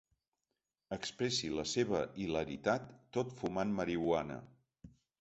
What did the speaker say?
Expressi la seva hilaritat tot fumant marihuana.